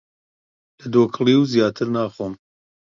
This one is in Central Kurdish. لە دۆکڵیو زیاتر ناخۆم!